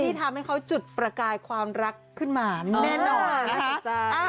ที่ทำให้เขาจุดประกายความรักขึ้นมาแน่นอนนะคะ